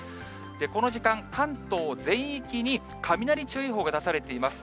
この時間、関東全域に雷注意報が出されています。